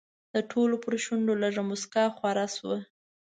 د ټولو پر شونډو لږه موسکا خوره شوه.